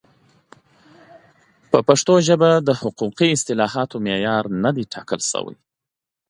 په پښتو ژبه د حقوقي اصطلاحاتو معیار نه دی ټاکل شوی.